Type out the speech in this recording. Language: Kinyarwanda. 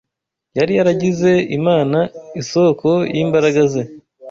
Yari yaragize Imana isoko y’imbaraga ze